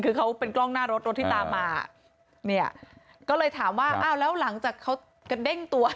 คือเขาเป็นกล้องหน้ารถรถที่ตามมาเนี่ยก็เลยถามว่าอ้าวแล้วหลังจากเขากระเด้งตัว